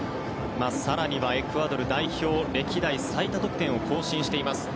更にはエクアドル代表歴代最多得点を更新しています。